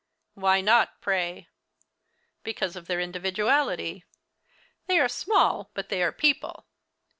"Why not, pray?" "Because of their individuality. They are small, but they are people.